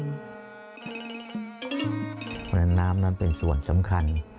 เพราะฉะนั้นน้ำนั้นเป็นส่วนสำคัญ